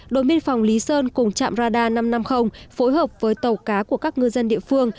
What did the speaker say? đội biên phòng lý sơn cùng trạm radar năm trăm năm mươi phối hợp với tàu cá của các ngư dân địa phương